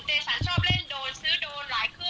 สันชอบเล่นโดนซื้อโดนหลายเครื่อง